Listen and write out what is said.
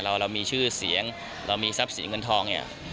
เรามีชื่อเสียงเรามีทรัพย์สินเงินทองเนี่ย